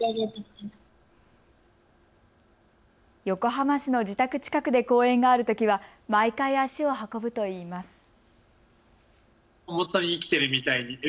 横浜市の自宅近くで公演があるときは、毎回足を運ぶといいます。